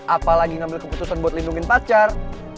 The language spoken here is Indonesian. apalagi ngambil keputusan buat lindungi pacar